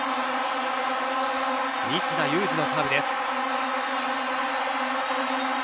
西田有志のサーブです。